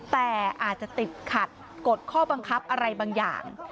แต่อาจจะติดขัดกฎข้อบังคับอะไรบางอย่าง